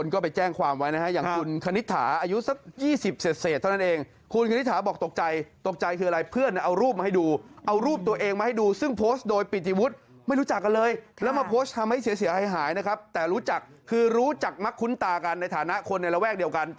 ขอบคุณครับวันนี้เล่น